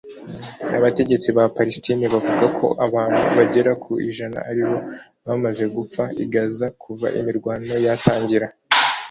Abategetsi ba Palestine bavuga ko abantu bagera ku ijana ari bo bamaze gupfa i Gaza kuva imirwano yatangira